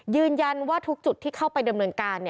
ยืนยันว่าทุกจุดที่เข้าไปดำเนินการ